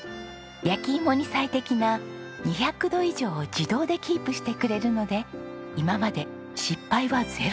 焼き芋に最適な２００度以上を自動でキープしてくれるので今まで失敗はゼロだそうです。